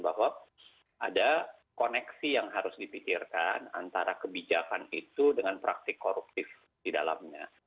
bahwa ada koneksi yang harus dipikirkan antara kebijakan itu dengan praktik koruptif di dalamnya